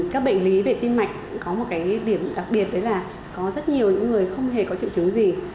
các bệnh lý về tim mạch có một cái điểm đặc biệt đấy là có rất nhiều những người không hề có triệu chứng gì